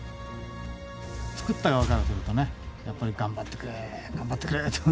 つくった側からするとねやっぱり頑張ってくれ頑張ってくれと。